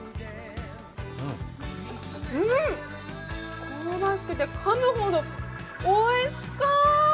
うん、香ばしくてかむほどおいしか！